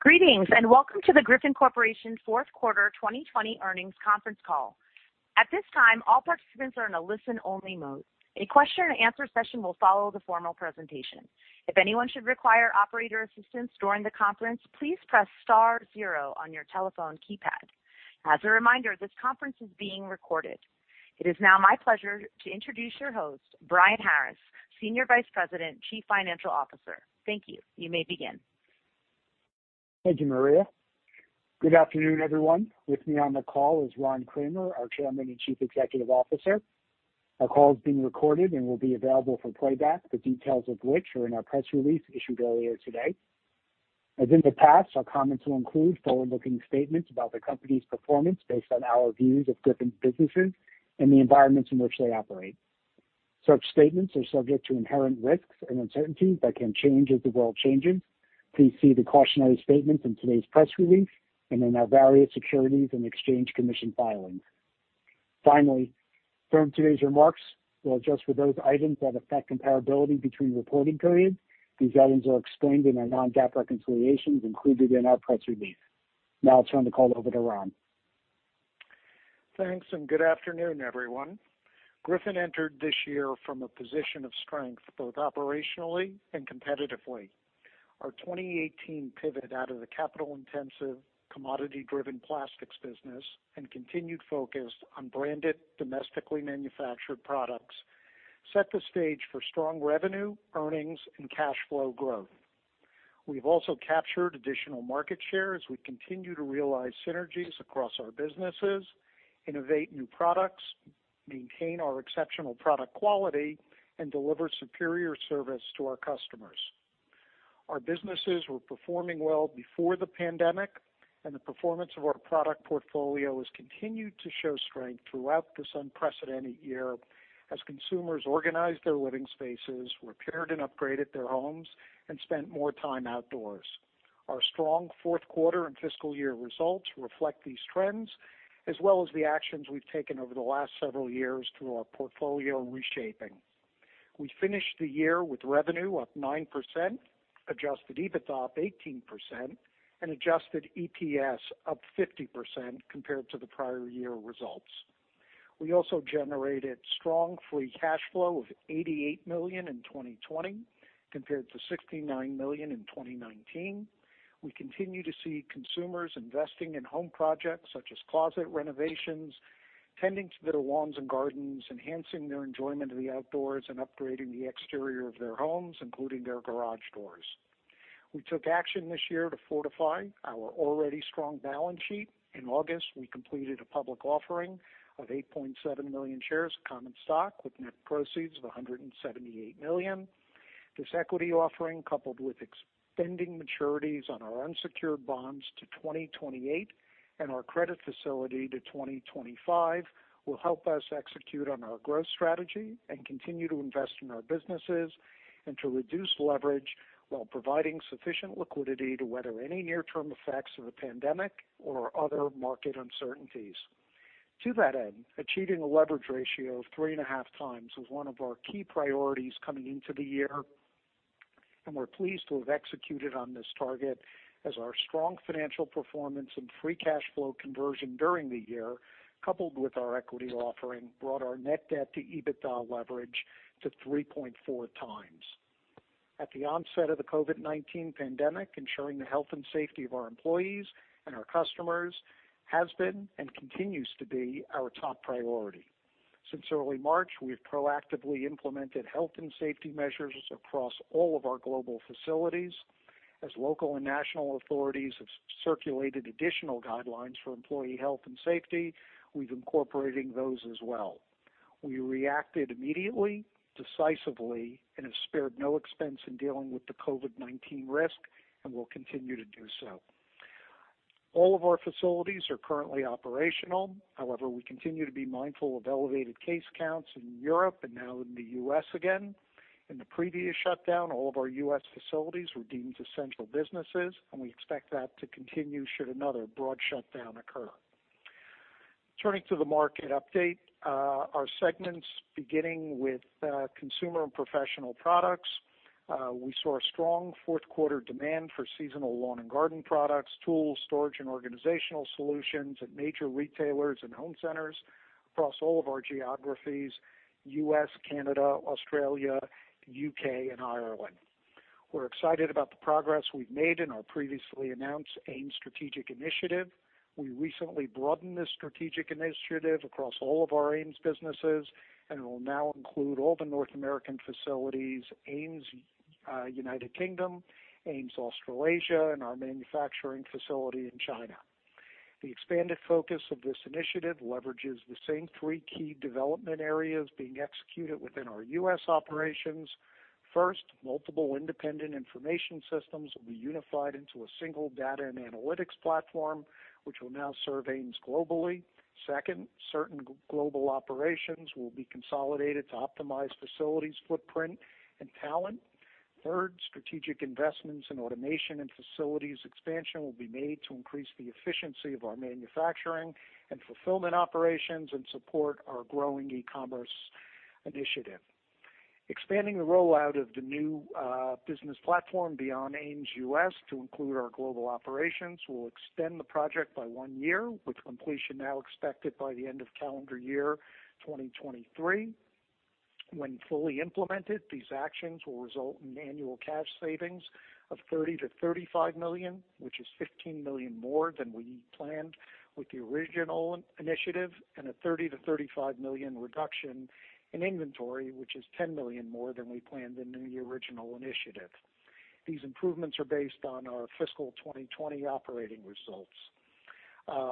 Greetings, welcome to the Griffon Corporation fourth quarter 2020 earnings conference call. At this time, all participants are in a listen-only mode. A question and answer session will follow the formal presentation. If anyone should require operator assistance during the conference, please press star zero on your telephone keypad. As a reminder, this conference is being recorded. It is now my pleasure to introduce your host, Brian Harris, Senior Vice President, Chief Financial Officer. Thank you. You may begin. Thank you, Maria. Good afternoon, everyone. With me on the call is Ron Kramer, our Chairman and Chief Executive Officer. Our call is being recorded and will be available for playback, the details of which are in our press release issued earlier today. As in the past, our comments will include forward-looking statements about the company's performance based on our views of Griffon's businesses and the environments in which they operate. Such statements are subject to inherent risks and uncertainties that can change as the world changes. Please see the cautionary statements in today's press release and in our various Securities and Exchange Commission filings. Finally, during today's remarks, we'll adjust for those items that affect comparability between reporting periods. These items are explained in our non-GAAP reconciliations included in our press release. Now we'll turn the call over to Ron. Thanks, good afternoon, everyone. Griffon entered this year from a position of strength both operationally and competitively. Our 2018 pivot out of the capital-intensive, commodity-driven plastics business and continued focus on branded, domestically manufactured products set the stage for strong revenue, earnings, and cash flow growth. We've also captured additional market share as we continue to realize synergies across our businesses, innovate new products, maintain our exceptional product quality, and deliver superior service to our customers. Our businesses were performing well before the pandemic, and the performance of our product portfolio has continued to show strength throughout this unprecedented year as consumers organized their living spaces, repaired and upgraded their homes, and spent more time outdoors. Our strong fourth quarter and fiscal year results reflect these trends as well as the actions we've taken over the last several years through our portfolio reshaping. We finished the year with revenue up 9%, adjusted EBITDA up 18%, and adjusted EPS up 50% compared to the prior year results. We also generated strong free cash flow of $88 million in 2020 compared to $69 million in 2019. We continue to see consumers investing in home projects such as closet renovations, tending to their lawns and gardens, enhancing their enjoyment of the outdoors, and upgrading the exterior of their homes, including their garage doors. We took action this year to fortify our already strong balance sheet. In August, we completed a public offering of 8.7 million shares of common stock with net proceeds of $178 million. This equity offering, coupled with extending maturities on our unsecured bonds to 2028 and our credit facility to 2025, will help us execute on our growth strategy and continue to invest in our businesses and to reduce leverage while providing sufficient liquidity to weather any near-term effects of the pandemic or other market uncertainties. To that end, achieving a leverage ratio of 3.5x was one of our key priorities coming into the year, we're pleased to have executed on this target as our strong financial performance and free cash flow conversion during the year, coupled with our equity offering, brought our net debt to EBITDA leverage to 3.4x. At the onset of the COVID-19 pandemic, ensuring the health and safety of our employees and our customers has been and continues to be our top priority. Since early March, we've proactively implemented health and safety measures across all of our global facilities. As local and national authorities have circulated additional guidelines for employee health and safety, we've incorporated those as well. We reacted immediately, decisively, and have spared no expense in dealing with the COVID-19 risk and will continue to do so. All of our facilities are currently operational. However, we continue to be mindful of elevated case counts in Europe and now in the U.S. again. In the previous shutdown, all of our U.S. facilities were deemed essential businesses, and we expect that to continue should another broad shutdown occur. Turning to the market update. Our segments, beginning with Consumer and Professional Products. We saw strong fourth quarter demand for seasonal lawn and garden products, tools, storage, and organizational solutions at major retailers and home centers across all of our geographies, U.S., Canada, Australia, U.K., and Ireland. We're excited about the progress we've made in our previously announced AMES strategic initiative. We recently broadened this strategic initiative across all of our AMES businesses, and it will now include all the North American facilities, AMES United Kingdom, AMES Australasia, and our manufacturing facility in China. The expanded focus of this initiative leverages the same three key development areas being executed within our U.S. operations. First, multiple independent information systems will be unified into a single data and analytics platform, which will now serve AMES globally. Second, certain global operations will be consolidated to optimize facilities footprint and talent. Third, strategic investments in automation and facilities expansion will be made to increase the efficiency of our manufacturing and fulfillment operations and support our growing e-commerce initiative. Expanding the rollout of the new business platform beyond AMES U.S. to include our global operations will extend the project by one year, with completion now expected by the end of calendar year 2023. When fully implemented, these actions will result in annual cash savings of $30 million-$35 million, which is $15 million more than we planned with the original initiative, and a $30 million-$35 million reduction in inventory, which is $10 million more than we planned in the original initiative. These improvements are based on our fiscal 2020 operating results.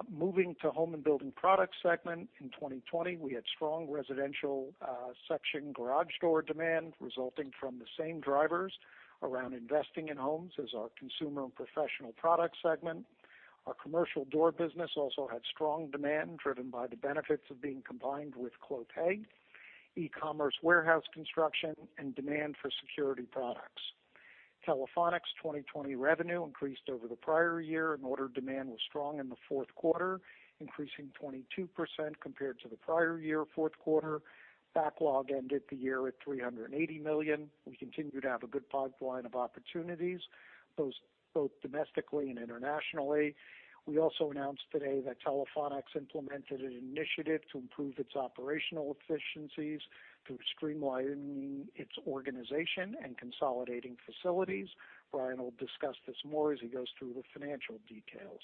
Moving to Home and Building Products segment. In 2020, we had strong residential sectional garage door demand resulting from the same drivers around investing in homes as our Consumer and Professional Products segment. Our commercial door business also had strong demand driven by the benefits of being combined with Clopay, e-commerce warehouse construction, and demand for security products. Telephonics 2020 revenue increased over the prior year, and order demand was strong in the fourth quarter, increasing 22% compared to the prior year fourth quarter. Backlog ended the year at $380 million. We continue to have a good pipeline of opportunities, both domestically and internationally. We also announced today that Telephonics implemented an initiative to improve its operational efficiencies through streamlining its organization and consolidating facilities. Brian will discuss this more as he goes through the financial details.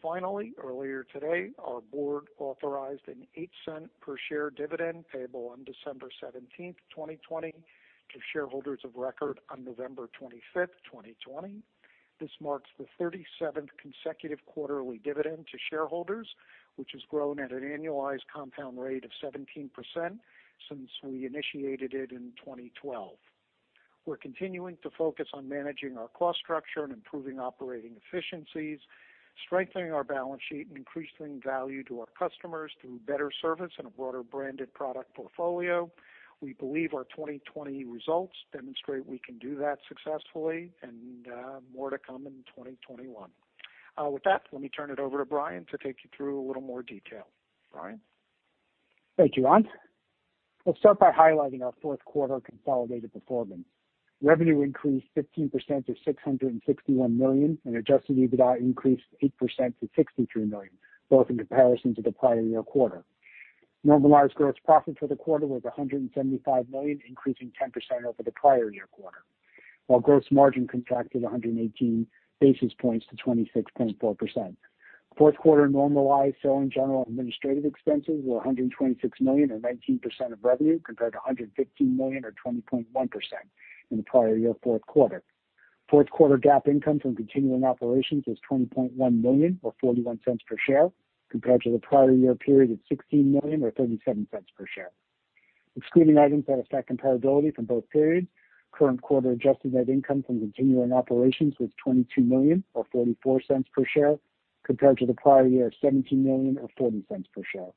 Finally, earlier today, our board authorized an $0.08 per share dividend payable on December 17th, 2020 to shareholders of record on November 25th, 2020. This marks the 37th consecutive quarterly dividend to shareholders, which has grown at an annualized compound rate of 17% since we initiated it in 2012. We're continuing to focus on managing our cost structure and improving operating efficiencies, strengthening our balance sheet, and increasing value to our customers through better service and a broader branded product portfolio. We believe our 2020 results demonstrate we can do that successfully, and more to come in 2021. With that, let me turn it over to Brian to take you through a little more detail. Brian? Thank you, Ron. I'll start by highlighting our fourth quarter consolidated performance. Revenue increased 15% to $661 million, and adjusted EBITDA increased 8% to $63 million, both in comparison to the prior year quarter. Normalized gross profit for the quarter was $175 million, increasing 10% over the prior year quarter, while gross margin contracted 118 basis points to 26.4%. Fourth quarter normalized selling general administrative expenses were $126 million or 19% of revenue, compared to $115 million or 20.1% in the prior year fourth quarter. Fourth quarter GAAP income from continuing operations was $20.1 million or $0.41 per share, compared to the prior year period of $16 million or $0.37 per share. Excluding items that affect comparability for both periods, current quarter adjusted net income from continuing operations was $22 million or $0.44 per share, compared to the prior year of $17 million or $0.40 per share.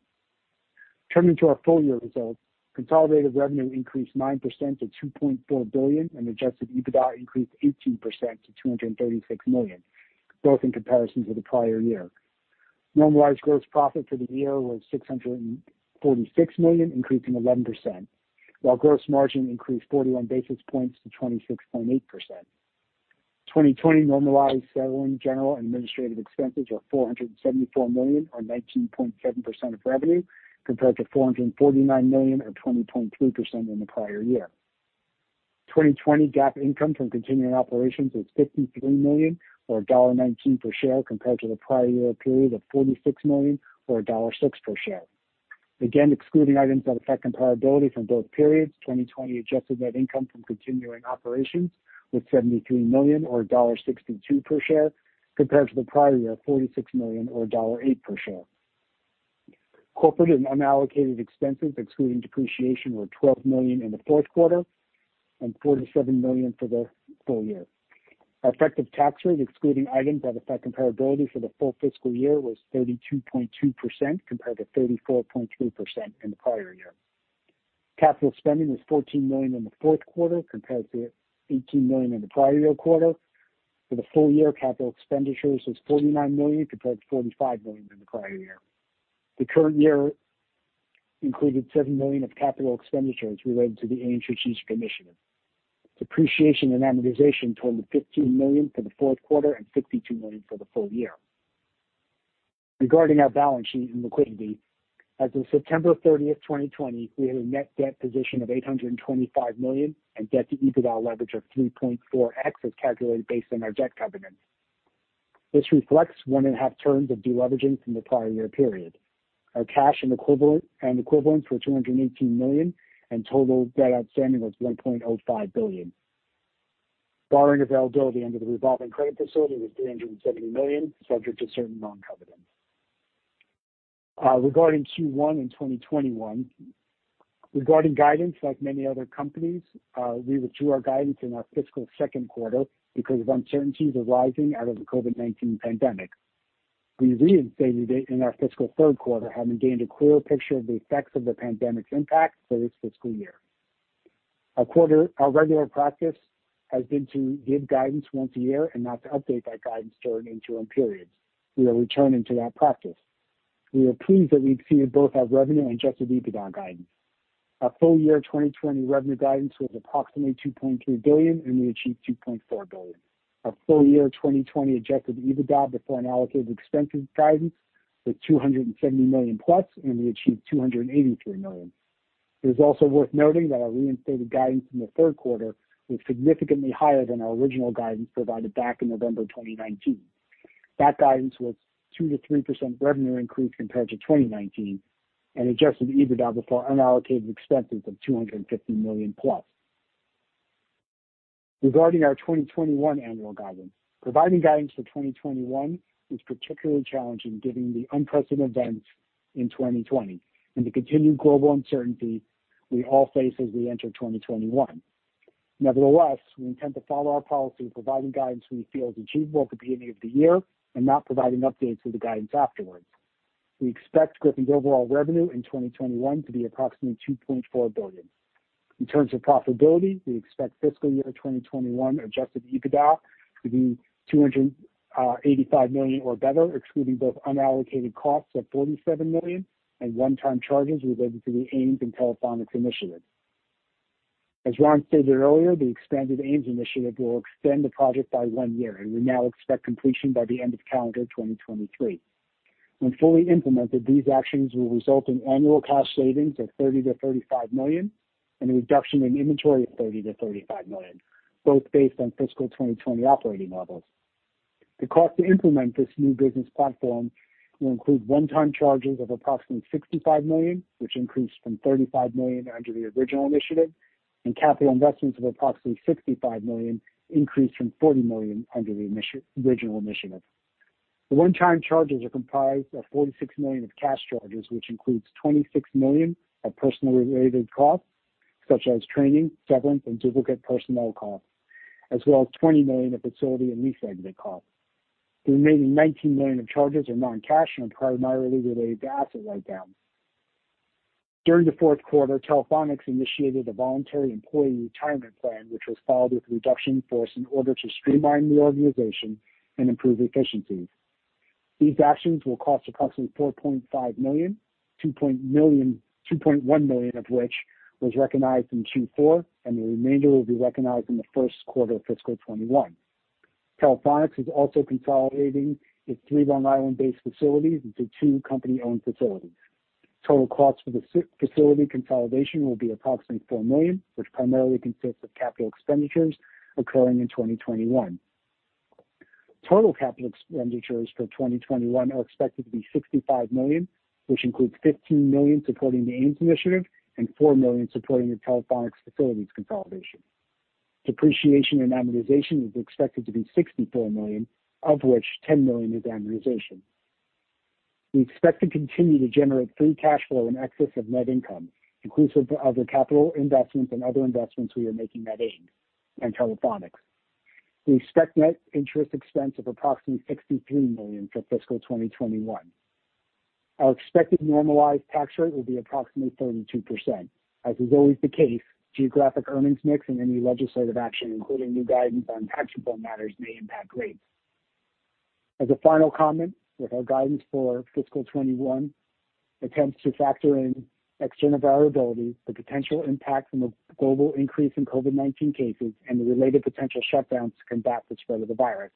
Turning to our full year results. Consolidated revenue increased 9% to $2.4 billion and adjusted EBITDA increased 18% to $236 million, both in comparison to the prior year. Normalized gross profit for the year was $646 million, increasing 11%, while gross margin increased 41 basis points to 26.8%. 2020 normalized selling general administrative expenses are $474 million or 19.7% of revenue, compared to $449 million or 20.3% in the prior year. 2020 GAAP income from continuing operations was $53 million or $1.19 per share compared to the prior year period of $46 million or $1.06 per share. Again, excluding items that affect comparability for both periods, 2020 adjusted net income from continuing operations was $73 million or $1.62 per share compared to the prior year $46 million or $1.08 per share. Corporate and unallocated expenses excluding depreciation were $12 million in the fourth quarter and $47 million for the full year. Our effective tax rate, excluding items that affect comparability for the full fiscal year was 32.2% compared to 34.3% in the prior year. Capital spending was $14 million in the fourth quarter compared to $18 million in the prior year quarter. For the full year, capital expenditures was $49 million compared to $45 million in the prior year. The current year included $7 million of capital expenditures related to the AMES strategic initiative. Depreciation and amortization totaled $15 million for the fourth quarter and $62 million for the full year. Regarding our balance sheet and liquidity, as of September 30, 2020, we had a net debt position of $825 million and debt to EBITDA leverage of 3.4x as calculated based on our debt covenants. This reflects 1.5 turns of deleveraging from the prior year period. Our cash and equivalents were $218 million, and total debt outstanding was $1.05 billion. Borrowing availability under the revolving credit facility was $370 million subject to certain loan covenants. Regarding Q1 2021. Regarding guidance, like many other companies, we withdrew our guidance in our fiscal second quarter because of uncertainties arising out of the COVID-19 pandemic. We reinstated it in our fiscal third quarter, having gained a clearer picture of the effects of the pandemic's impact for this fiscal year. Our regular practice has been to give guidance once a year and not to update that guidance during interim periods. We are returning to that practice. We are pleased that we exceeded both our revenue and adjusted EBITDA guidance. Our full year 2020 revenue guidance was approximately $2.3 billion, and we achieved $2.4 billion. Our full year 2020 adjusted EBITDA before unallocated expenses guidance was $270 million+, and we achieved $283 million. It is also worth noting that our reinstated guidance in the third quarter was significantly higher than our original guidance provided back in November 2019. That guidance was 2%-3% revenue increase compared to 2019, and adjusted EBITDA before unallocated expenses of $250 million plus. Regarding our 2021 annual guidance. Providing guidance for 2021 is particularly challenging given the unprecedented events in 2020 and the continued global uncertainty we all face as we enter 2021. Nevertheless, we intend to follow our policy of providing guidance we feel is achievable at the beginning of the year and not providing updates to the guidance afterwards. We expect Griffon's overall revenue in 2021 to be approximately $2.4 billion. In terms of profitability, we expect fiscal year 2021 adjusted EBITDA to be $285 million or better, excluding both unallocated costs of $47 million and one-time charges related to the AMES and Telephonics Initiatives. As Ron stated earlier, the expanded AMES Initiative will extend the project by one year, and we now expect completion by the end of calendar 2023. When fully implemented, these actions will result in annual cost savings of $30 million-$35 million and a reduction in inventory of $30 million-$35 million, both based on fiscal 2020 operating levels. The cost to implement this new business platform will include one-time charges of approximately $65 million, which increased from $35 million under the original initiative, and capital investments of approximately $65 million, increased from $40 million under the original initiative. The one-time charges are comprised of $46 million of cash charges, which includes $26 million of personnel-related costs, such as training, severance, and duplicate personnel costs, as well as $20 million of facility and lease exit costs. The remaining $19 million of charges are non-cash and are primarily related to asset write-downs. During the fourth quarter, Telephonics initiated a voluntary employee retirement plan, which was followed with a reduction in force in order to streamline the organization and improve efficiencies. These actions will cost approximately $4.5 million, $2.1 million of which was recognized in Q4, and the remainder will be recognized in the first quarter of fiscal 2021. Telephonics is also consolidating its three Long Island-based facilities into two company-owned facilities. Total costs for the facility consolidation will be approximately $4 million, which primarily consists of capital expenditures occurring in 2021. Total capital expenditures for 2021 are expected to be $65 million, which includes $15 million supporting the AMES initiative and $4 million supporting the Telephonics facilities consolidation. Depreciation and amortization is expected to be $64 million, of which $10 million is amortization. We expect to continue to generate free cash flow in excess of net income, inclusive of the capital investments and other investments we are making at AMES and Telephonics. We expect net interest expense of approximately $63 million for fiscal 2021. Our expected normalized tax rate will be approximately 32%. As is always the case, geographic earnings mix and any legislative action, including new guidance on taxable matters, may impact rates. As a final comment, with our guidance for fiscal 2021, attempts to factor in external variability, the potential impact from a global increase in COVID-19 cases and the related potential shutdowns to combat the spread of the virus,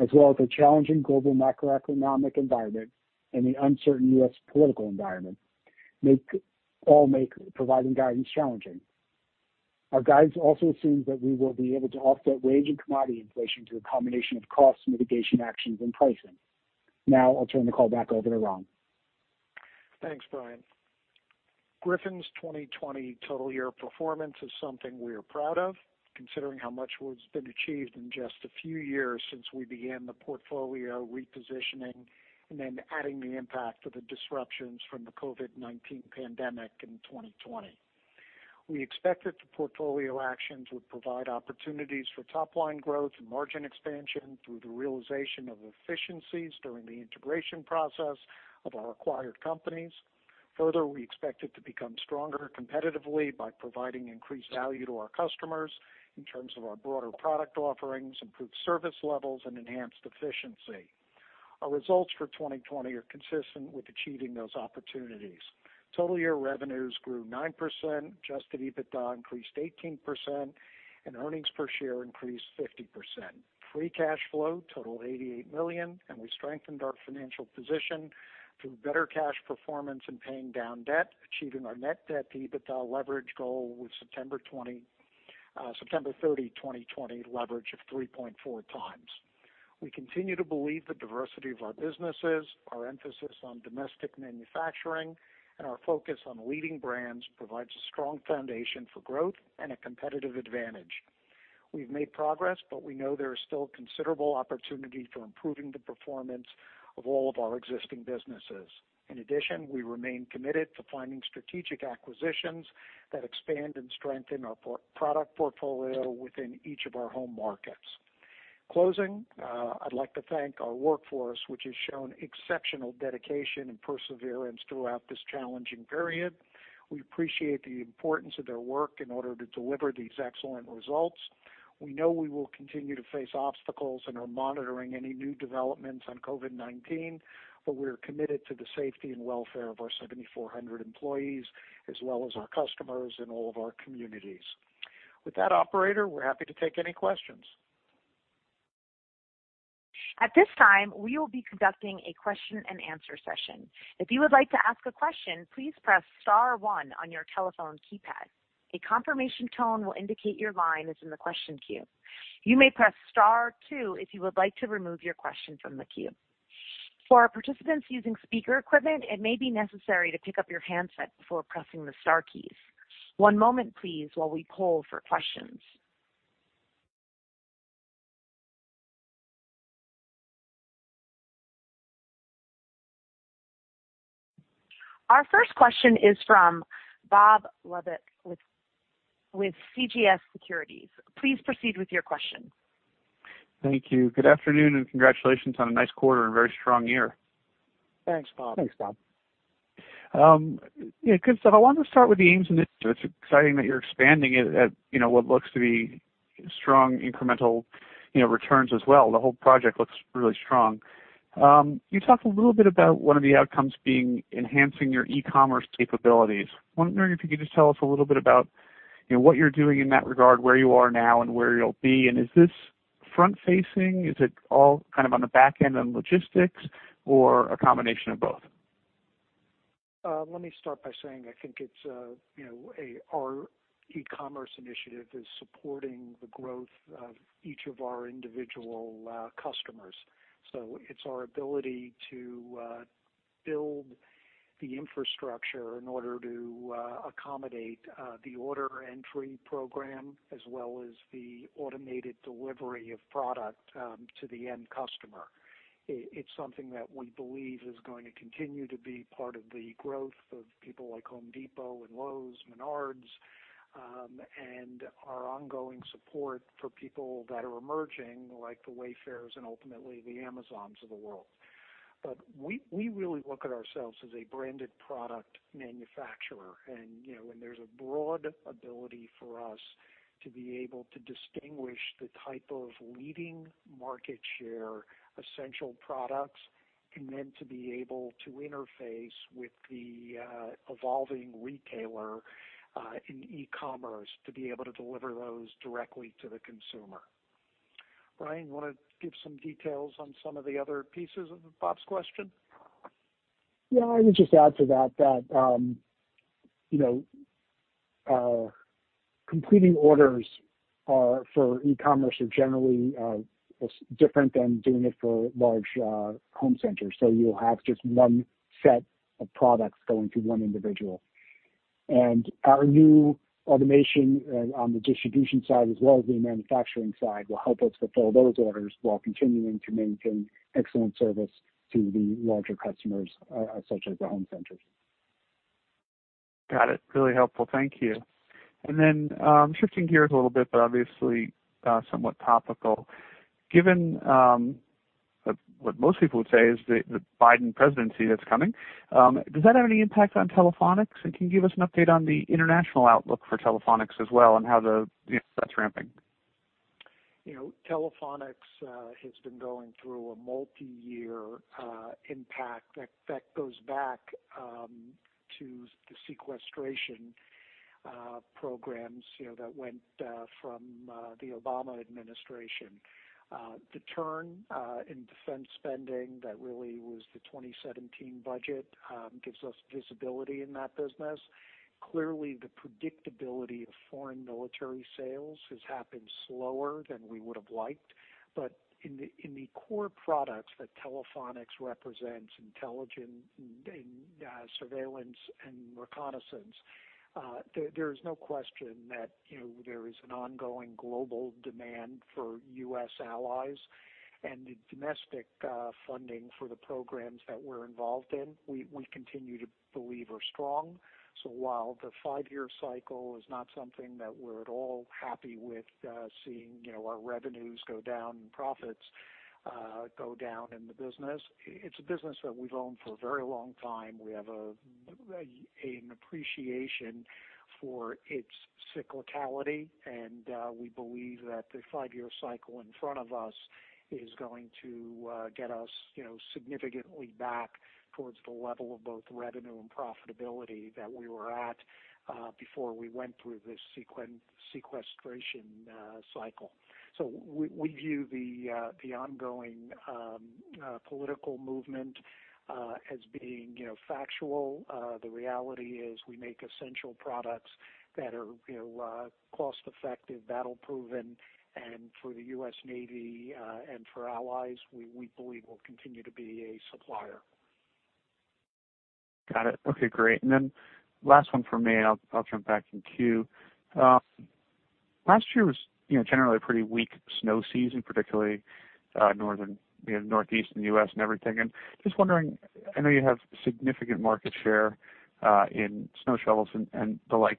as well as the challenging global macroeconomic environment and the uncertain U.S. political environment, all make providing guidance challenging. Our guidance also assumes that we will be able to offset wage and commodity inflation through a combination of cost mitigation actions and pricing. Now, I'll turn the call back over to Ron. Thanks, Brian. Griffon's 2020 total year performance is something we are proud of, considering how much has been achieved in just a few years since we began the portfolio repositioning and then adding the impact of the disruptions from the COVID-19 pandemic in 2020. We expected the portfolio actions would provide opportunities for top-line growth and margin expansion through the realization of efficiencies during the integration process of our acquired companies. Further, we expected to become stronger competitively by providing increased value to our customers in terms of our broader product offerings, improved service levels, and enhanced efficiency. Our results for 2020 are consistent with achieving those opportunities. Total year revenues grew 9%, adjusted EBITDA increased 18%, and earnings per share increased 50%. Free cash flow totaled $88 million, and we strengthened our financial position through better cash performance and paying down debt, achieving our net debt-to-EBITDA leverage goal with September 30, 2020, leverage of 3.4x. We continue to believe the diversity of our businesses, our emphasis on domestic manufacturing, and our focus on leading brands provides a strong foundation for growth and a competitive advantage. We've made progress, but we know there is still considerable opportunity for improving the performance of all of our existing businesses. In addition, we remain committed to finding strategic acquisitions that expand and strengthen our product portfolio within each of our home markets. Closing, I'd like to thank our workforce, which has shown exceptional dedication and perseverance throughout this challenging period. We appreciate the importance of their work in order to deliver these excellent results. We know we will continue to face obstacles and are monitoring any new developments on COVID-19, but we're committed to the safety and welfare of our 7,400 employees as well as our customers and all of our communities. With that, Operator, we're happy to take any questions. Our first question is from Bob Labick with CJS Securities. Please proceed with your question. Thank you. Good afternoon and congratulations on a nice quarter and a very strong year. Thanks, Bob. Thanks, Bob. Yeah, good stuff. I wanted to start with the Ames Initiative. It's exciting that you're expanding it at what looks to be strong incremental returns as well. The whole project looks really strong. You talked a little bit about one of the outcomes being enhancing your e-commerce capabilities. I wonder if you could just tell us a little bit about what you're doing in that regard, where you are now, and where you'll be, and is this front-facing? Is it all on the back end on logistics or a combination of both? Let me start by saying, I think our e-commerce initiative is supporting the growth of each of our individual customers. It's our ability to build the infrastructure in order to accommodate the order entry program as well as the automated delivery of product to the end customer. It's something that we believe is going to continue to be part of the growth of people like The Home Depot and Lowe's, Menards, and our ongoing support for people that are emerging, like the Wayfairs and ultimately the Amazons of the world. We really look at ourselves as a branded product manufacturer, and there's a broad ability for us to be able to distinguish the type of leading market share essential products, and then to be able to interface with the evolving retailer in e-commerce to be able to deliver those directly to the consumer. Brian, you want to give some details on some of the other pieces of Bob's question? Yeah, I would just add to that completing orders for e-commerce are generally different than doing it for large home centers. You'll have just one set of products going to one individual. Our new automation on the distribution side as well as the manufacturing side will help us fulfill those orders while continuing to maintain excellent service to the larger customers, such as the home centers. Got it. Really helpful. Thank you. Then, shifting gears a little bit, but obviously, somewhat topical, given what most people would say is the Biden presidency that's coming, does that have any impact on Telephonics? Can you give us an update on the international outlook for Telephonics as well, and how that's ramping? Telephonics has been going through a multi-year impact that goes back to the sequestration programs that went from the Obama administration. The turn in defense spending that really was the 2017 budget gives us visibility in that business. Clearly, the predictability of foreign military sales has happened slower than we would have liked. In the core products that Telephonics represents, intelligence and surveillance and reconnaissance, there is no question that there is an ongoing global demand for U.S. allies. The domestic funding for the programs that we're involved in, we continue to believe are strong. While the five-year cycle is not something that we're at all happy with seeing our revenues go down and profits go down in the business, it's a business that we've owned for a very long time. We have an appreciation for its cyclicality, and we believe that the five-year cycle in front of us is going to get us significantly back towards the level of both revenue and profitability that we were at before we went through this sequestration cycle. We view the ongoing political movement as being factual. The reality is we make essential products that are cost-effective, battle-proven, and for the U.S. Navy and for allies, we believe we'll continue to be a supplier. Got it. Okay, great. Then last one from me, I'll jump back in queue. Last year was generally a pretty weak snow season, particularly Northeast in the U.S. and everything. Just wondering, I know you have significant market share in snow shovels and the like.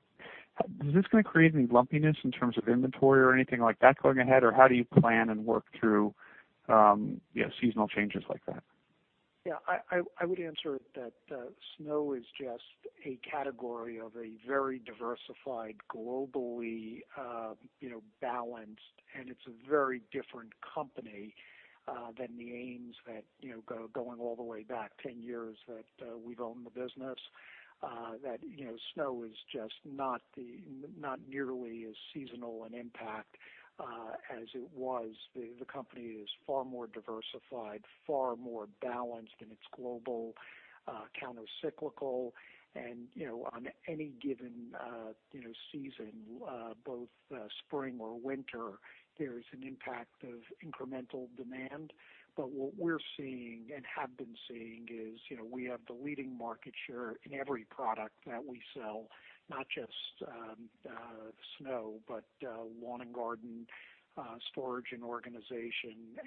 Is this going to create any lumpiness in terms of inventory or anything like that going ahead? How do you plan and work through seasonal changes like that? I would answer that snow is just a category of a very diversified, globally balanced, and it's a very different company than the AMES that, going all the way back 10 years that we've owned the business. Snow is just not nearly as seasonal an impact as it was. The company is far more diversified, far more balanced, and it's global counter-cyclical. On any given season, both spring or winter, there's an impact of incremental demand. What we're seeing, and have been seeing is, we have the leading market share in every product that we sell, not just snow, but lawn and garden, storage and organization.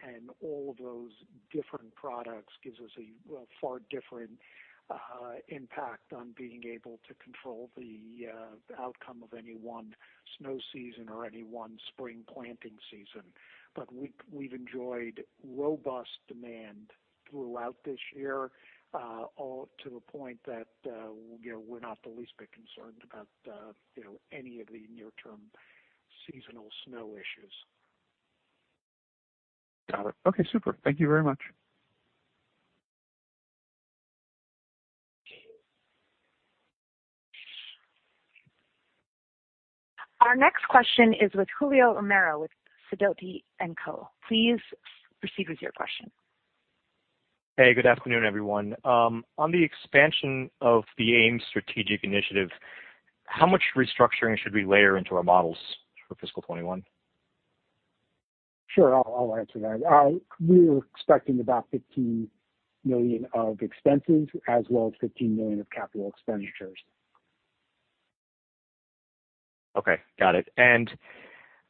All of those different products gives us a far different impact on being able to control the outcome of any one snow season or any one spring planting season. We've enjoyed robust demand throughout this year, all to the point that we're not the least bit concerned about any of the near-term seasonal snow issues. Got it. Okay, super. Thank you very much. Our next question is with Julio Romero with Sidoti & Company. Please proceed with your question. Hey, good afternoon, everyone. On the expansion of the AMES strategic initiative, how much restructuring should we layer into our models for fiscal 2021? Sure. I'll answer that. We're expecting about $15 million of expenses as well as $15 million of capital expenditures. Okay, got it.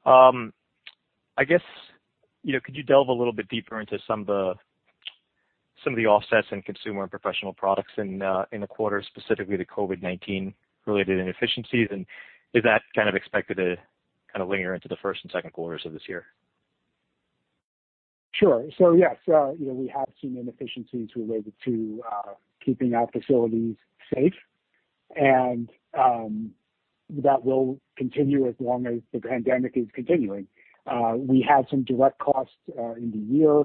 I guess, could you delve a little bit deeper into some of the offsets in Consumer and Professional Products in the quarter, specifically the COVID-19 related inefficiencies, and is that kind of expected to kind of linger into the first and second quarters of this year? Sure. Yes, we have some inefficiencies related to keeping our facilities safe, and that will continue as long as the pandemic is continuing. We have some direct costs in the year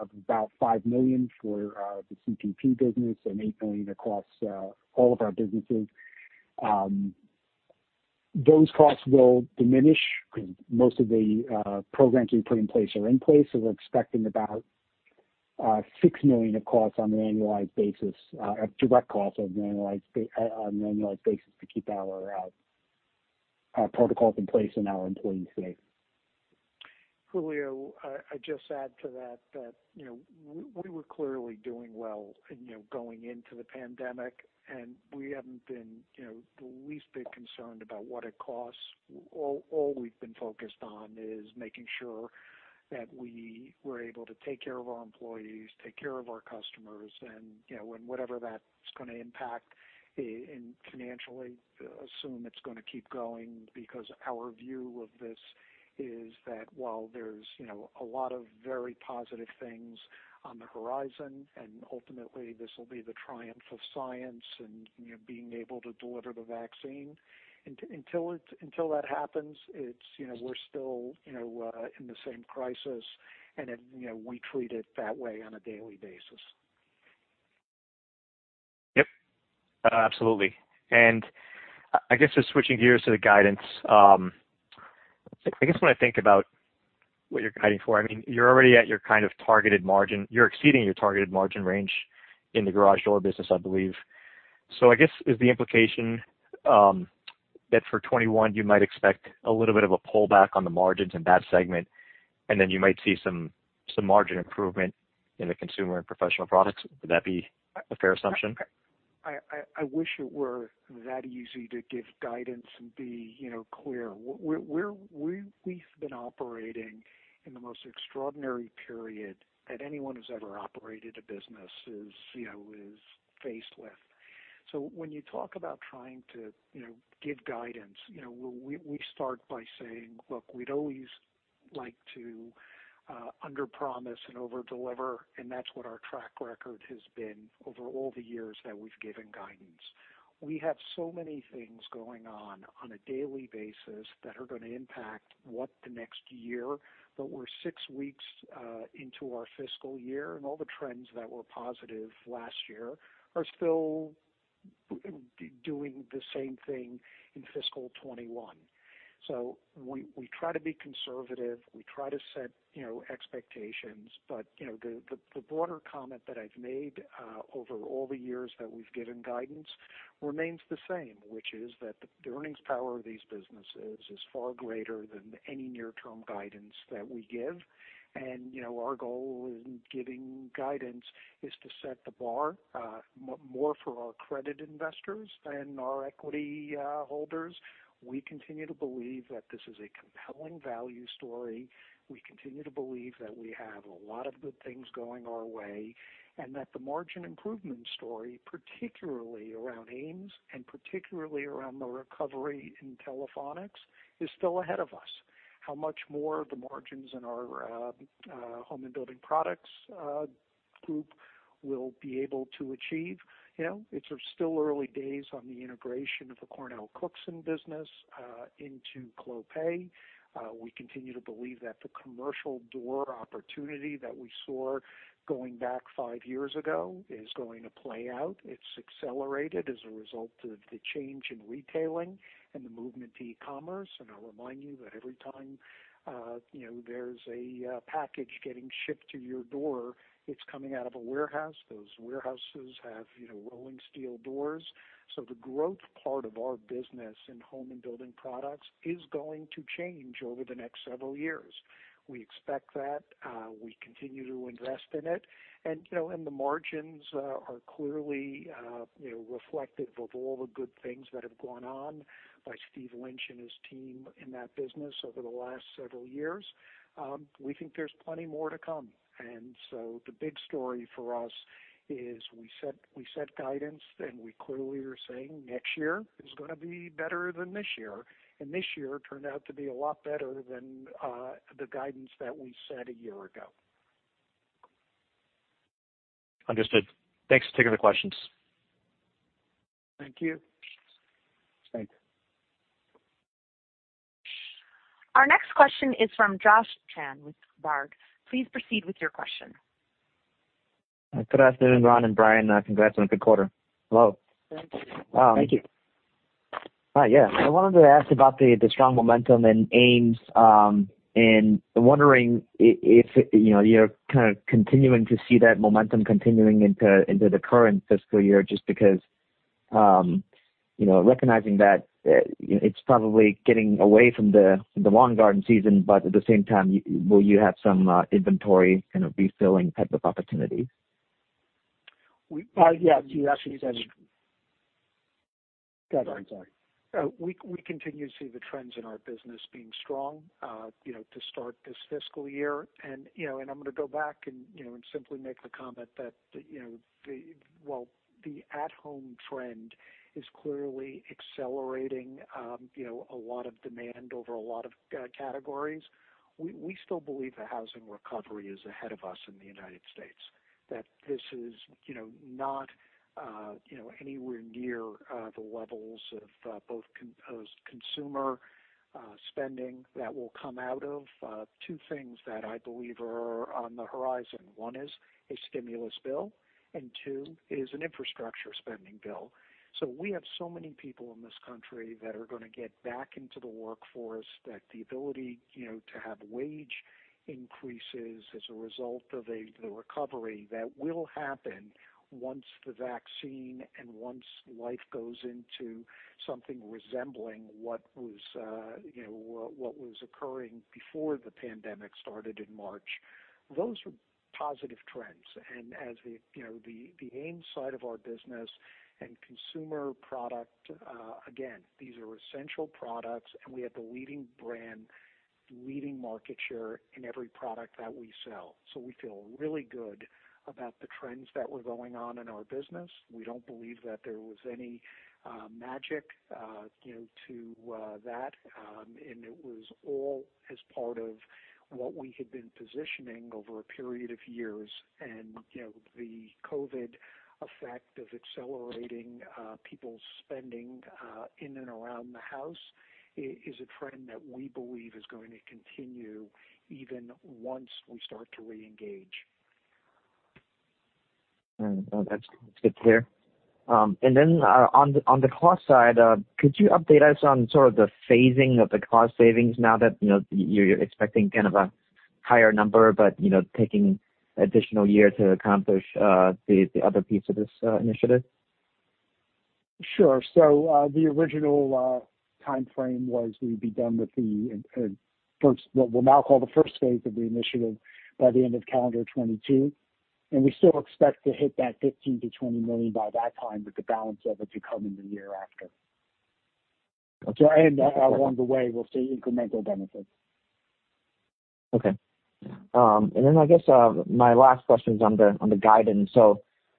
of about $5 million for the CPP business and $8 million across all of our businesses. Those costs will diminish because most of the programs we put in place are in place, so we're expecting about $6 million of costs on an annualized basis, direct costs on an annualized basis to keep our protocols in place and our employees safe. Julio, I'd just add to that we were clearly doing well going into the pandemic, and we haven't been the least bit concerned about what it costs. All we've been focused on is making sure that we were able to take care of our employees, take care of our customers, and whatever that's going to impact financially, assume it's going to keep going because our view of this is that while there's a lot of very positive things on the horizon, and ultimately this will be the triumph of science and being able to deliver the vaccine. Until that happens, we're still in the same crisis, and then we treat it that way on a daily basis. Yep. Absolutely. I guess, just switching gears to the guidance. I guess when I think about what you're guiding for, you're already at your kind of targeted margin. You're exceeding your targeted margin range in the garage door business, I believe. I guess, is the implication that for 2021, you might expect a little bit of a pullback on the margins in that segment, and then you might see some margin improvement in the Consumer and Professional Products? Would that be a fair assumption? I wish it were that easy to give guidance and be clear. We've been operating in the most extraordinary period that anyone who's ever operated a business is faced with. When you talk about trying to give guidance, we start by saying, look, we'd always like to under promise and overdeliver, and that's what our track record has been over all the years that we've given guidance. We have so many things going on on a daily basis that are going to impact what the next year, but we're six weeks into our fiscal year, and all the trends that were positive last year are still doing the same thing in fiscal 2021. We try to be conservative. We try to set expectations. The broader comment that I've made over all the years that we've given guidance remains the same, which is that the earnings power of these businesses is far greater than any near-term guidance that we give. Our goal in giving guidance is to set the bar more for our credit investors than our equity holders. We continue to believe that this is a compelling value story. We continue to believe that we have a lot of good things going our way, and that the margin improvement story, particularly around AMES and particularly around the recovery in Telephonics, is still ahead of us. How much more of the margins in our Home and Building Products group we'll be able to achieve. It's still early days on the integration of the CornellCookson business into Clopay. We continue to believe that the commercial door opportunity that we saw going back five years ago is going to play out. It's accelerated as a result of the change in retailing and the movement to e-commerce. I'll remind you that every time there's a package getting shipped to your door, it's coming out of a warehouse. Those warehouses have rolling steel doors. The growth part of our business in Home and Building Products is going to change over the next several years. We expect that. We continue to invest in it. The margins are clearly reflective of all the good things that have gone on by Steve Lynch and his team in that business over the last several years. We think there's plenty more to come. The big story for us is we set guidance, and we clearly are saying next year is going to be better than this year, and this year turned out to be a lot better than the guidance that we set a year ago. Understood. Thanks. Taking the questions. Thank you. Thanks. Our next question is from Josh Chan with Baird. Please proceed with your question. Good afternoon, Ron and Brian. Congrats on a good quarter. Hello. Thank you. Hi. Yeah. I wanted to ask about the strong momentum in AMES, and wondering if you're kind of continuing to see that momentum continuing into the current fiscal year, just because, recognizing that it's probably getting away from the lawn garden season, but at the same time, will you have some inventory kind of refilling type of opportunity? Yeah. Go ahead. I'm sorry. We continue to see the trends in our business being strong to start this fiscal year. I'm going to go back and simply make the comment that while the at-home trend is clearly accelerating a lot of demand over a lot of categories, we still believe the housing recovery is ahead of us in the U.S., that this is not anywhere near the levels of both composed consumer spending that will come out of two things that I believe are on the horizon. One is a stimulus bill, and two is an infrastructure spending bill. We have so many people in this country that are going to get back into the workforce that the ability to have wage increases as a result of the recovery that will happen once the vaccine and once life goes into something resembling what was occurring before the pandemic started in March. Those are positive trends. As the AMES side of our business and consumer product, again, these are essential products, and we have the leading brand, the leading market share in every product that we sell. We feel really good about the trends that were going on in our business. We don't believe that there was any magic to that. It was all as part of what we had been positioning over a period of years. The COVID effect of accelerating people's spending in and around the house is a trend that we believe is going to continue even once we start to reengage. That's good to hear. On the cost side, could you update us on sort of the phasing of the cost savings now that you're expecting kind of a higher number but taking additional year to accomplish the other piece of this initiative? Sure. The original timeframe was we'd be done with what we'll now call the first phase of the initiative by the end of calendar 2022. We still expect to hit that $15 million-$20 million by that time, with the balance of it to come in the year after. Along the way, we'll see incremental benefits. Okay. I guess my last question is on the guidance.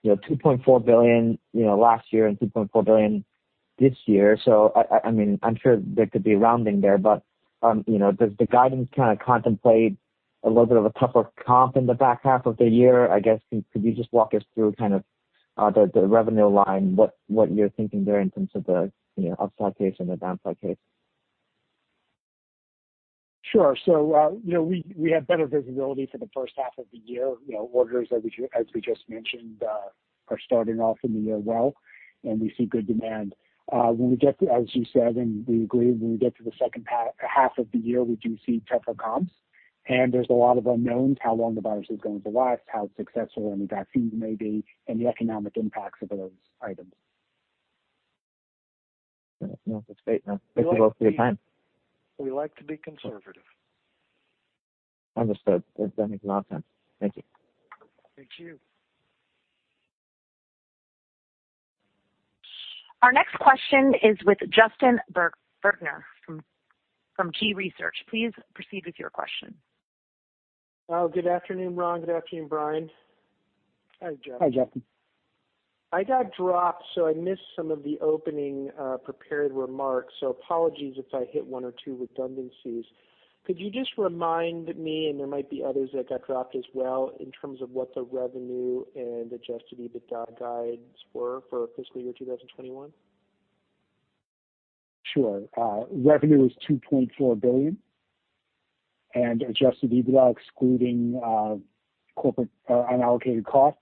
$2.4 billion last year and $2.4 billion this year. I'm sure there could be rounding there, does the guidance kind of contemplate a little bit of a tougher comp in the back half of the year? I guess, could you just walk us through kind of the revenue line, what you're thinking there in terms of the upside case and the downside case? Sure. We have better visibility for the first half of the year. Orders, as we just mentioned, are starting off in the year well, and we see good demand. As you said, and we agree, when we get to the second half of the year, we do see tougher comps, and there's a lot of unknowns, how long the virus is going to last, how successful any vaccine may be, and the economic impacts of those items. That's great. Thank you both for your time. We like to be conservative. Understood. That makes a lot of sense. Thank you. Thank you. Our next question is with Justin Bergner from Key Research. Please proceed with your question. Oh, good afternoon, Ron. Good afternoon, Brian. Hi, Jeff. Hi, Justin. I got dropped, so I missed some of the opening prepared remarks. Apologies if I hit one or two redundancies. Could you just remind me, and there might be others that got dropped as well, in terms of what the revenue and adjusted EBITDA guides were for fiscal year 2021? Sure. Revenue was $2.4 billion, and adjusted EBITDA, excluding corporate unallocated cost,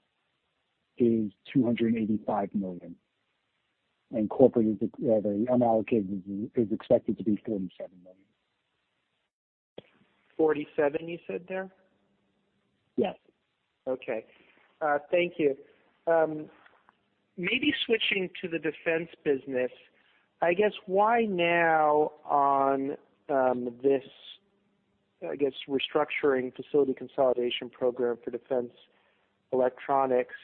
is $285 million. Corporate unallocated is expected to be $47 million. 47, you said there? Yes. Okay. Thank you. Maybe switching to the defense business. I guess why now on this, I guess, restructuring facility consolidation program for defense electronics?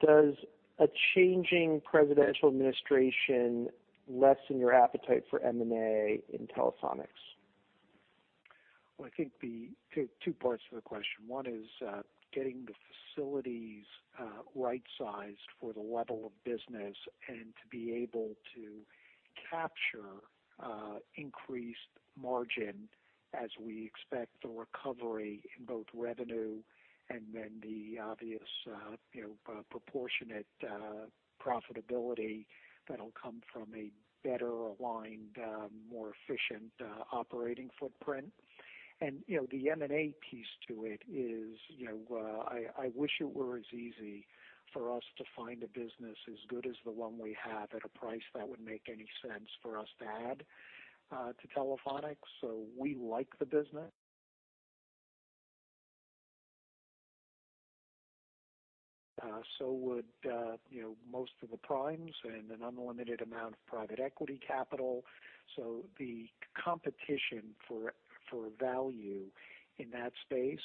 Does a changing presidential administration lessen your appetite for M&A in Telephonics? I think the two parts to the question. One is getting the facilities right-sized for the level of business and to be able to capture increased margin as we expect the recovery in both revenue and then the obvious proportionate profitability that'll come from a better aligned, more efficient operating footprint. The M&A piece to it is, I wish it were as easy for us to find a business as good as the one we have at a price that would make any sense for us to add to Telephonics. We like the business. Would most of the primes and an unlimited amount of private equity capital. The competition for value in that space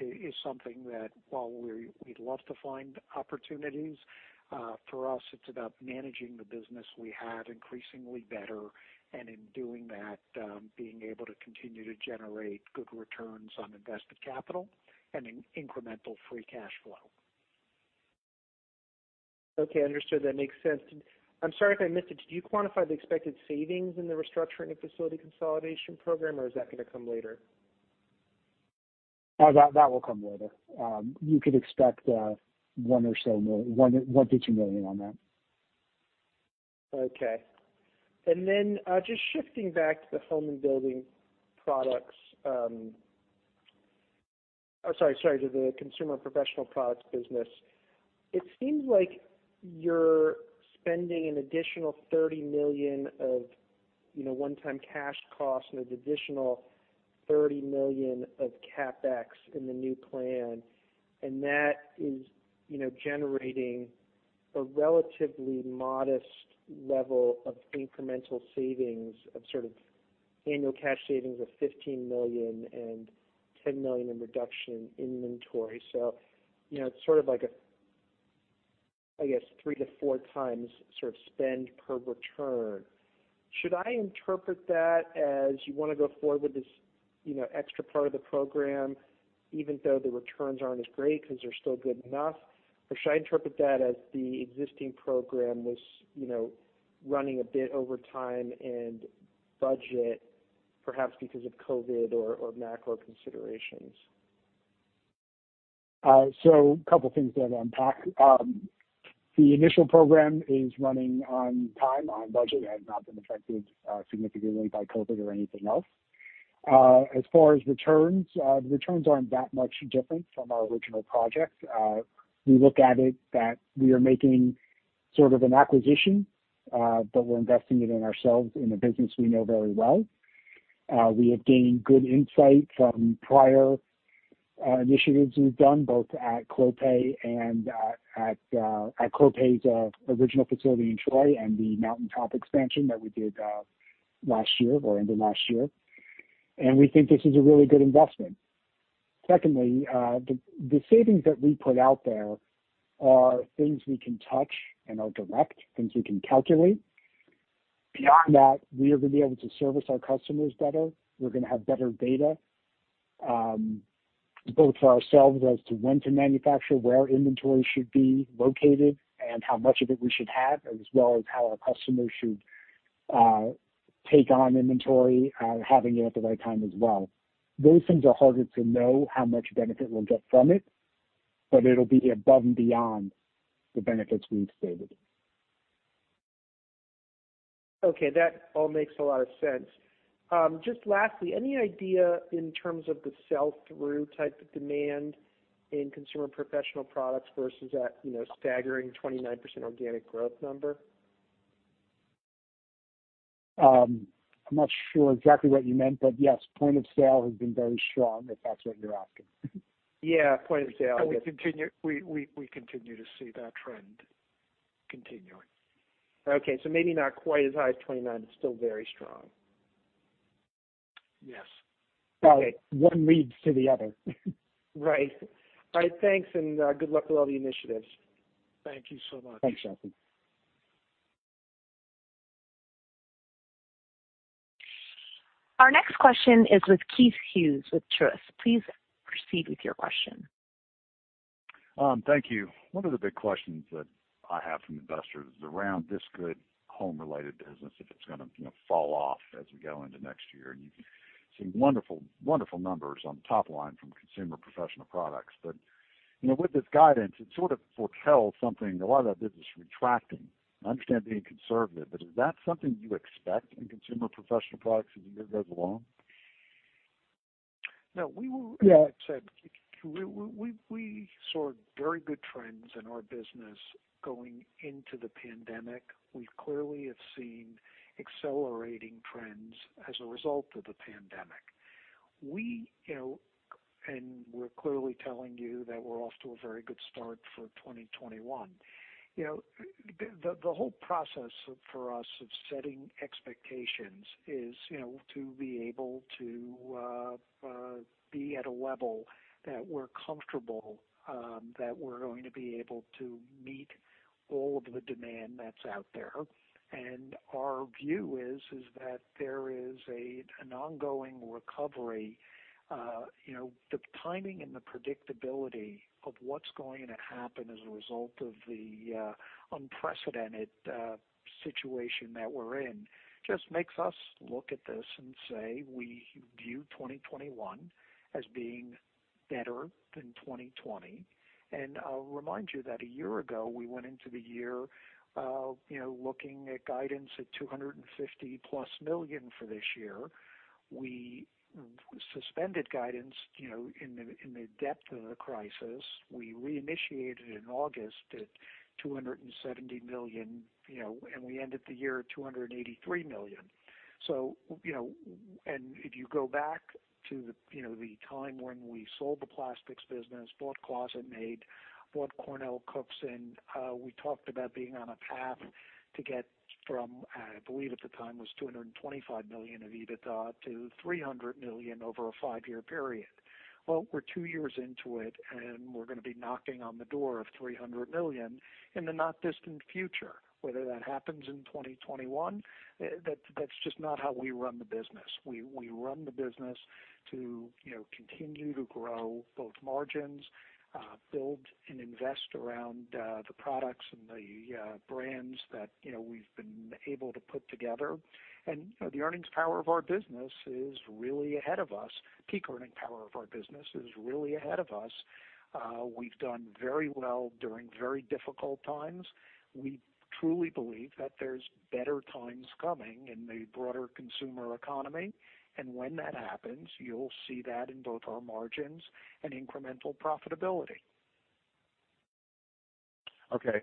is something that while we'd love to find opportunities, for us, it's about managing the business we have increasingly better, and in doing that, being able to continue to generate good returns on invested capital and incremental free cash flow. Okay, understood. That makes sense. I'm sorry if I missed it. Did you quantify the expected savings in the restructuring and facility consolidation program, or is that going to come later? That will come later. You could expect $1 million or so, $1 million-$2 million on that. Okay. Just shifting back to the Home and Building Products. Oh, sorry. To the Consumer and Professional Products business. It seems like you're spending an additional $30 million of one-time cash cost and an additional $30 million of CapEx in the new plan. That is generating a relatively modest level of incremental savings of sort of annual cash savings of $15 million and $10 million in reduction in inventory. It's sort of like a, I guess, three to four times sort of spend per return. Should I interpret that as you want to go forward with this extra part of the program, even though the returns aren't as great because they're still good enough? Or should I interpret that as the existing program was running a bit over time and budget, perhaps because of COVID or macro considerations? A couple things to unpack. The initial program is running on time, on budget. It has not been affected significantly by COVID-19 or anything else. As far as returns, the returns aren't that much different from our original projects. We look at it that we are making sort of an acquisition, but we're investing it in ourselves in a business we know very well. We have gained good insight from prior initiatives we've done both at Clopay and at Clopay's original facility in Troy and the Mountain Top expansion that we did last year or end of last year. We think this is a really good investment. Secondly, the savings that we put out there are things we can touch and are direct, things we can calculate. Beyond that, we are going to be able to service our customers better. We're going to have better data, both for ourselves as to when to manufacture, where inventory should be located, and how much of it we should have, as well as how our customers should take on inventory, having it at the right time as well. Those things are harder to know how much benefit we'll get from it, but it'll be above and beyond the benefits we've stated. Okay. That all makes a lot of sense. Just lastly, any idea in terms of the sell-through type of demand in Consumer and Professional Products versus that staggering 29% organic growth number? I'm not sure exactly what you meant, but yes, point of sale has been very strong, if that's what you're asking. Yeah, point of sale. We continue to see that trend continuing. Okay. Maybe not quite as high as 29, but still very strong. Yes. One leads to the other. Right. All right, thanks, and good luck with all the initiatives. Thank you so much. Thanks, Justin. Our next question is with Keith Hughes with Truist. Please proceed with your question. Thank you. One of the big questions that I have from investors is around this good home-related business, if it's going to fall off as we go into next year. You've seen wonderful numbers on the top line from Consumer and Professional Products. With this guidance, it sort of foretells something, a lot of that business retracting. I understand being conservative, but is that something you expect in Consumer and Professional Products as the year goes along? No. As I've said, we saw very good trends in our business going into the pandemic. We clearly have seen accelerating trends as a result of the pandemic. We're clearly telling you that we're off to a very good start for 2021. The whole process for us of setting expectations is to be able to be at a level that we're comfortable that we're going to be able to meet all of the demand that's out there. Our view is that there is an ongoing recovery. The timing and the predictability of what's going to happen as a result of the unprecedented situation that we're in just makes us look at this and say we view 2021 as being better than 2020. I'll remind you that a year ago, we went into the year looking at guidance at $250+ million for this year. We suspended guidance in the depth of the crisis. We reinitiated in August at $270 million, we ended the year at $283 million. If you go back to the time when we sold the plastics business, bought ClosetMaid, bought CornellCookson, we talked about being on a path to get from, I believe at the time was $225 million of EBITDA to $300 million over a five-year period. Well, we're two years into it, and we're going to be knocking on the door of $300 million in the not-distant future. Whether that happens in 2021, that's just not how we run the business. We run the business to continue to grow both margins, build and invest around the products and the brands that we've been able to put together. The earnings power of our business is really ahead of us. Peak earning power of our business is really ahead of us. We've done very well during very difficult times. We truly believe that there's better times coming in the broader consumer economy. When that happens, you'll see that in both our margins and incremental profitability. Okay.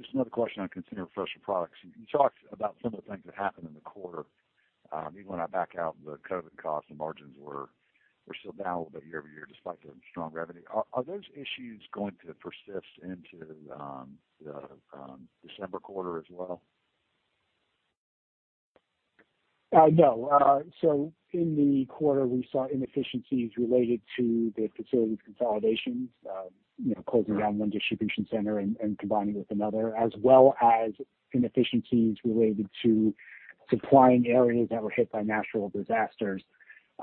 Just another question on Consumer and Professional Products. You talked about some of the things that happened in the quarter. Even when I back out the COVID costs, the margins were still down a little bit year-over-year, despite the strong revenue. Are those issues going to persist into the December quarter as well? No. In the quarter, we saw inefficiencies related to the facilities consolidations, closing down one distribution center and combining with another, as well as inefficiencies related to supplying areas that were hit by natural disasters.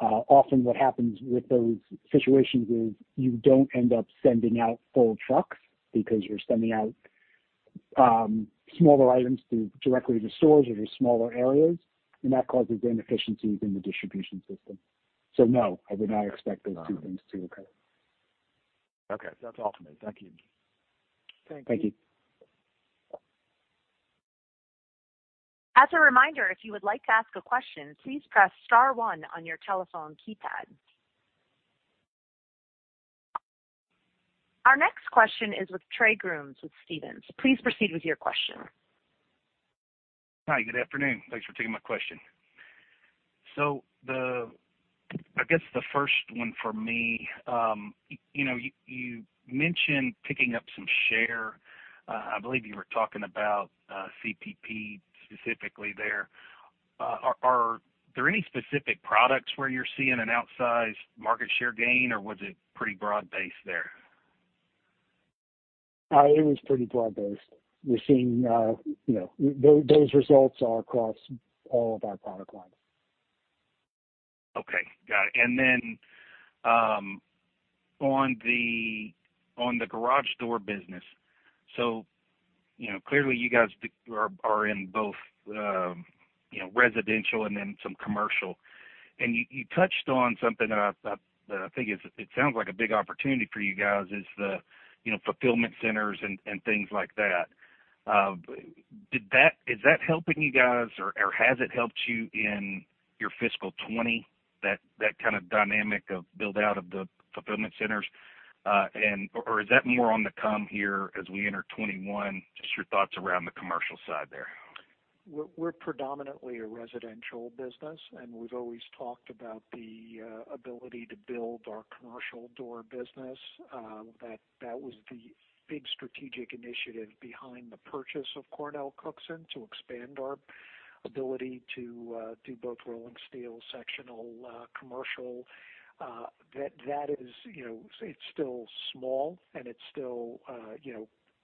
Often what happens with those situations is you don't end up sending out full trucks because you're sending out smaller items directly to stores or to smaller areas, and that causes inefficiencies in the distribution system. No, I would not expect those two things to occur. Okay. That's all for me. Thank you. Thank you. Thank you. As a reminder, if you would like to ask a question, please press star one on your telephone keypad. Our next question is with Trey Grooms with Stephens. Please proceed with your question. Hi, good afternoon. Thanks for taking my question. I guess the first one for me, you mentioned picking up some share. I believe you were talking about CPP specifically there. Are there any specific products where you're seeing an outsized market share gain, or was it pretty broad-based there? It was pretty broad-based. Those results are across all of our product lines. Okay, got it. On the garage door business. Clearly you guys are in both residential and then some commercial. You touched on something that I think it sounds like a big opportunity for you guys is the fulfillment centers and things like that. Is that helping you guys, or has it helped you in your fiscal 2020, that kind of dynamic of build-out of the fulfillment centers? Is that more on the come here as we enter 2021? Just your thoughts around the commercial side there. We're predominantly a residential business, and we've always talked about the ability to build our commercial door business. That was the big strategic initiative behind the purchase of CornellCookson to expand our ability to do both rolling steel sectional commercial. It's still small, and it's still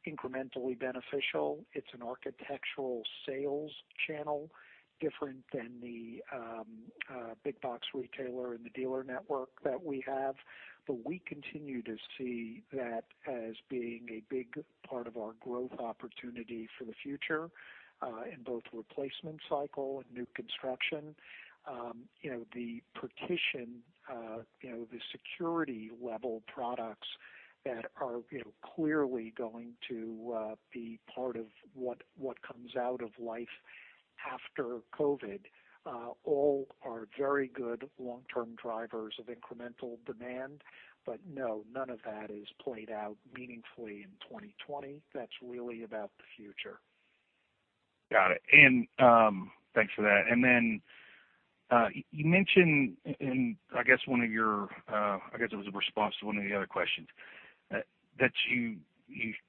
incrementally beneficial. It's an architectural sales channel, different than the big box retailer and the dealer network that we have. We continue to see that as being a big part of our growth opportunity for the future, in both replacement cycle and new construction. The partition, the security level products that are clearly going to be part of what comes out of life after COVID-19, all are very good long-term drivers of incremental demand. No, none of that is played out meaningfully in 2020. That's really about the future. Got it. Thanks for that. You mentioned in, I guess it was a response to one of the other questions, that you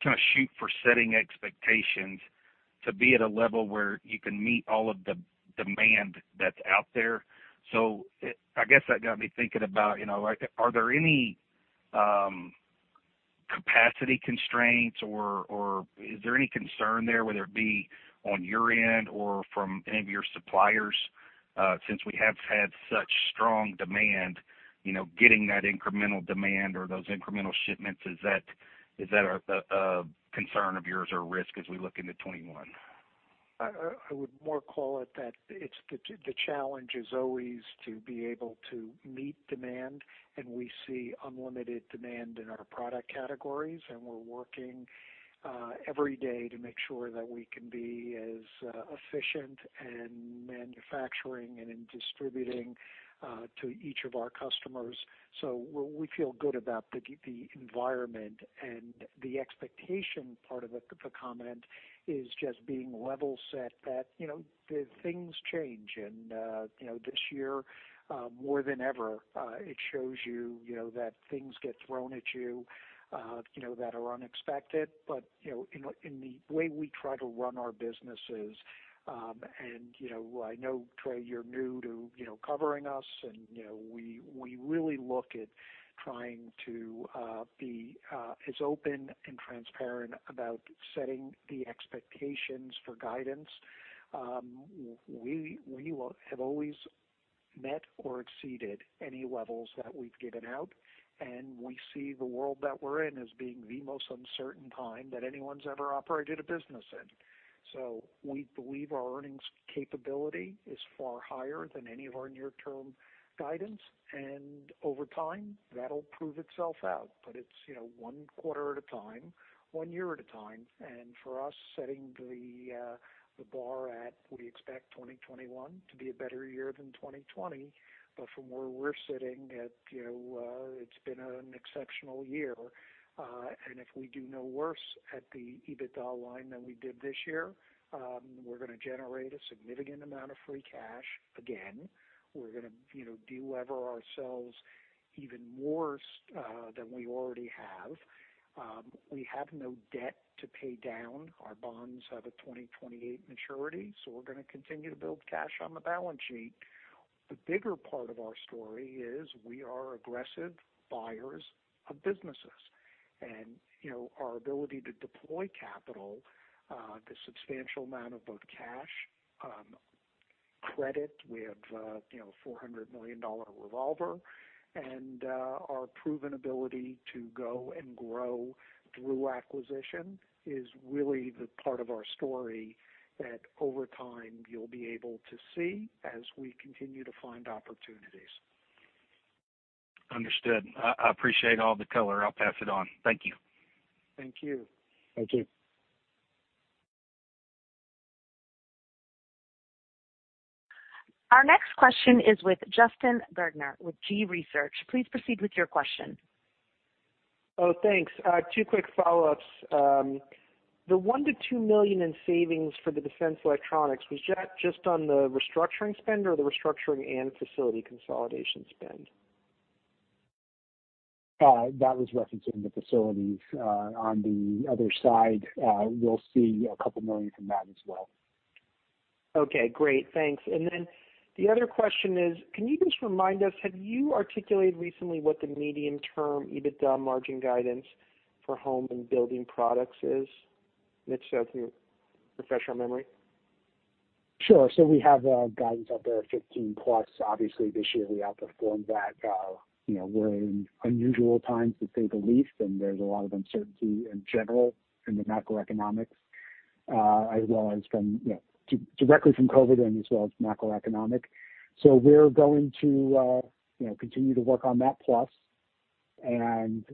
kind of shoot for setting expectations to be at a level where you can meet all of the demand that's out there. I guess that got me thinking about, are there any capacity constraints or is there any concern there, whether it be on your end or from any of your suppliers? Since we have had such strong demand, getting that incremental demand or those incremental shipments, is that a concern of yours or a risk as we look into 2021? I would more call it that the challenge is always to be able to meet demand, and we see unlimited demand in our product categories, and we're working every day to make sure that we can be as efficient in manufacturing and in distributing to each of our customers. We feel good about the environment. The expectation part of the comment is just being level set that things change. This year, more than ever, it shows you that things get thrown at you that are unexpected. In the way we try to run our businesses, and I know, Trey, you're new to covering us, and we really look at trying to be as open and transparent about setting the expectations for guidance. We have always met or exceeded any levels that we've given out, and we see the world that we're in as being the most uncertain time that anyone's ever operated a business in. We believe our earnings capability is far higher than any of our near-term guidance, and over time, that'll prove itself out. It's one quarter at a time, one year at a time. For us, setting the bar at we expect 2021 to be a better year than 2020. From where we're sitting, it's been an exceptional year. If we do no worse at the EBITDA line than we did this year, we're gonna generate a significant amount of free cash, again. We're gonna de-lever ourselves even more than we already have. We have no debt to pay down. Our bonds have a 2028 maturity. We're gonna continue to build cash on the balance sheet. The bigger part of our story is we are aggressive buyers of businesses. Our ability to deploy capital, the substantial amount of both cash, credit, we have $400 million revolver, and our proven ability to go and grow through acquisition is really the part of our story that over time you'll be able to see as we continue to find opportunities. Understood. I appreciate all the color. I'll pass it on. Thank you. Thank you. Thank you. Our next question is with Justin Bergner with Gabelli Funds. Please proceed with your question. Oh, thanks. Two quick follow-ups. The $1 million-$2 million in savings for the defense electronics, was that just on the restructuring spend or the restructuring and facility consolidation spend? That was referencing the facilities. On the other side, we'll see $2 million from that as well. Okay, great. Thanks. The other question is, can you just remind us, have you articulated recently what the medium-term EBITDA margin guidance for Home and Building Products is, Mitch, from your professional memory? Sure. We have a guidance out there of 15 plus. Obviously this year we outperformed that. We're in unusual times, to say the least, and there's a lot of uncertainty in general in the macroeconomics, directly from COVID-19 and as well as macroeconomic. We're going to continue to work on that plus, and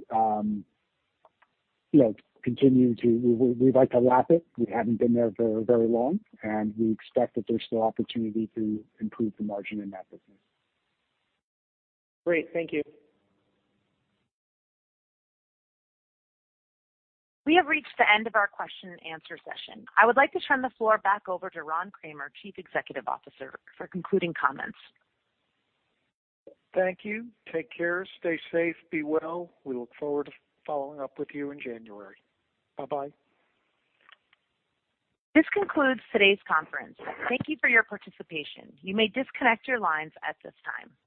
we'd like to lap it. We haven't been there for very long, and we expect that there's still opportunity to improve the margin in that business. Great. Thank you. We have reached the end of our question and answer session. I would like to turn the floor back over to Ron Kramer, Chief Executive Officer, for concluding comments. Thank you. Take care. Stay safe. Be well. We look forward to following up with you in January. Bye-bye. This concludes today's conference. Thank you for your participation. You may disconnect your lines at this time.